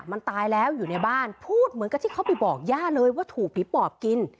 มันตายแล้วอยู่ในบ้านพูดเหมือนกับที่เขาไปบอกย่าเลยว่าถูกผีปอบกิน